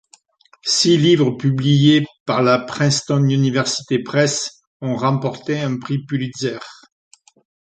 Six livres publiés par la Princeton University Press ont remporté un prix Pulitzer.